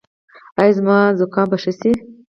ایا زما زکام به ښه شي؟